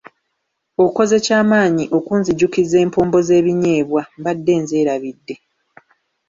Okoze ky'amaanyi okunzijukiza empombo z'ebinyeebwa mbadde nzeerabidde.